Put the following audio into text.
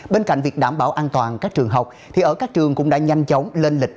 bên cạnh việc đảm bảo an toàn các trường học thì ở các trường cũng đã nhanh chóng lên lịch